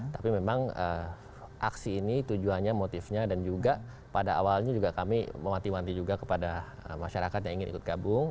tapi memang aksi ini tujuannya motifnya dan juga pada awalnya juga kami memanti wanti juga kepada masyarakat yang ingin ikut gabung